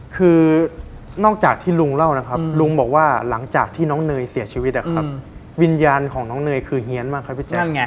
คือนอกจากที่ลุงเล่านะครับ